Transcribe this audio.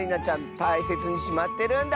たいせつにしまってるんだって！